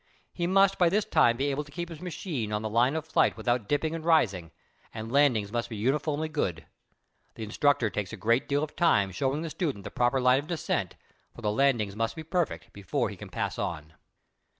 He must by this time be able to keep his machine on the line of flight without dipping and rising, and the landings must be uniformly good. The instructor takes a great deal of time showing the student the proper line of descent, for the landings must be perfect before he can pass on.